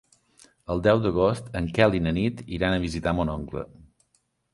El deu d'agost en Quel i na Nit iran a visitar mon oncle.